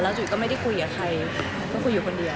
จุ๋ยก็ไม่ได้คุยกับใครก็คุยอยู่คนเดียว